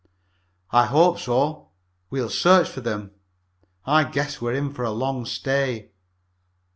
"I hope so. We'll search for them. I guess we're in for a long stay."